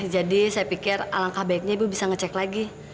jadi saya pikir alangkah baiknya ibu bisa ngecek lagi